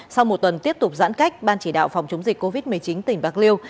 sau một tuần tiếp tục giãn cách ban chỉ đạo phòng chống dịch covid một mươi chín tỉnh bạc liêu